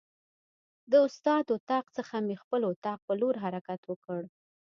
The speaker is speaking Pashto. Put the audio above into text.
د استاد اتاق څخه مې خپل اتاق په لور حرکت وکړ.